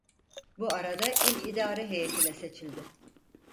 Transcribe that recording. Bu arada il idare Heyetine Seçildi.